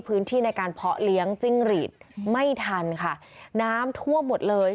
พื้นที่ในการเพาะเลี้ยงจิ้งหรีดไม่ทันค่ะน้ำท่วมหมดเลย